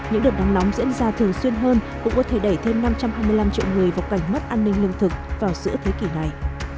những đợt nắng nóng diễn ra thường xuyên hơn cũng có thể đẩy thêm năm trăm hai mươi năm triệu người vào cảnh mất an ninh lương thực vào giữa thế kỷ này